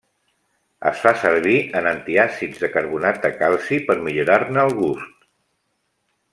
Es fa servir en antiàcids de carbonat de calci per millorar-ne el gust.